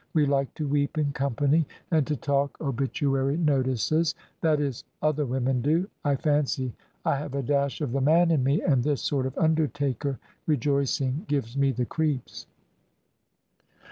We like to weep in company and to talk obituary notices. That is, other women do. I fancy I have a dash of the man in me, and this sort of undertaker rejoicing gives me the creeps."